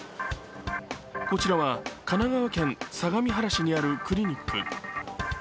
こちらは神奈川県相模原市にあるクリニック。